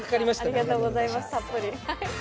ありがとうございました、たっぷり。